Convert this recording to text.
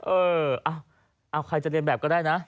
เออเอาใครจะเรียนแบบก็ได้นะ